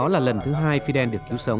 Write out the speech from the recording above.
đó là lần thứ hai fidel được cứu sống